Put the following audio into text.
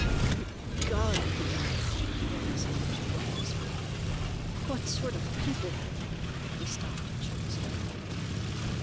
"Good God, Thea,"—He ran his handkerchief over his forehead. "What sort of people—" He stopped and shook his head.